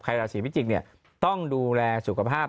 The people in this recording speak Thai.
ใครลาสีพิจิกเนี่ยต้องดูแลสุขภาพ